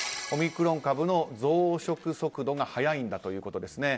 オミクロン株の増殖速度が速いんだということです。